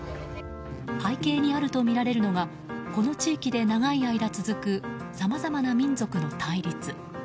背景にあるとみられるのがこの地域で長い間続くさまざまな民族の対立。